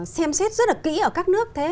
xem xét rất là kĩ ở các nước